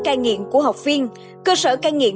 cai nghiện của học viên cơ sở cai nghiện